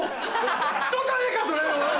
人じゃねえかそれ！